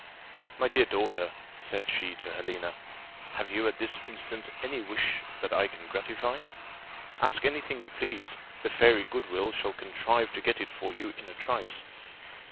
"My dear daughter," said she to Helena, "have you at this instant any wish that I can gratify? Ask any thing you please, the fairy Goodwill shall contrive to get it for you in a trice.